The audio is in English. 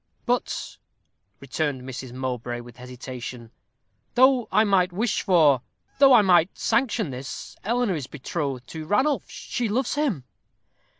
"But," returned Mrs. Mowbray, with hesitation, "though I might wish for though I might sanction this, Eleanor is betrothed to Ranulph she loves him."